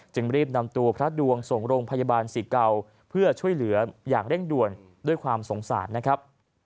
รีบนำตัวพระดวงส่งโรงพยาบาลศรีเก่าเพื่อช่วยเหลืออย่างเร่งด่วนด้วยความสงสารนะครับ